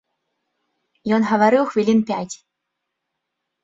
Ён гаварыў хвілін пяць.